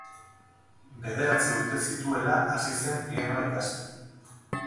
Bederatzi urte zituela hasi zen pianoa ikasten.